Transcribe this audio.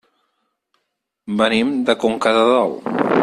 Venim de Conca de Dalt.